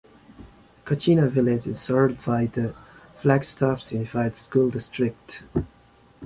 Kachina Village is served by the Flagstaff Unified School District.